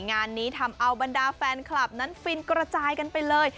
งานนี้ทำเอาบรรดาแฟนคลับนั้นฟินกระจายกันไปเลย